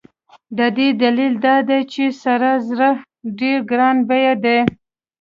د دې دلیل دا دی چې سره زر ډېر ګران بیه دي.